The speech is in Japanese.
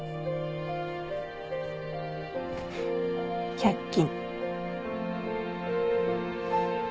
１００均。